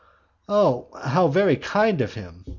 How very kind of him!